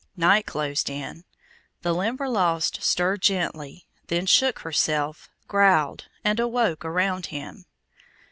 Night closed in. The Limberlost stirred gently, then shook herself, growled, and awoke around him.